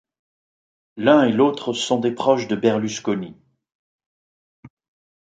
L'un et l'autre sont des proches de Berlusconi.